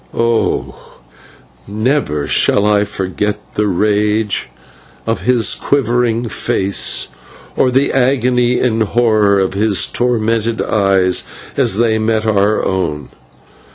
Oh! never shall I forget the rage of his quivering face, or the agony and horror of his tormented eyes as they met our own.